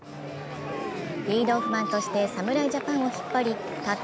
リードオフマンとして侍ジャパンを引っ張りたっ